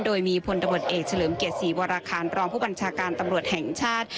โดยมีพลตำรวจเอกเฉลิมเกียรติศรีวรคารรองผู้บัญชาการตำรวจแห่งชาติ